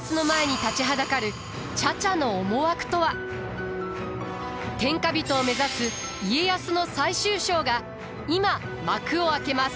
更に天下人を目指す家康の最終章が今幕を開けます。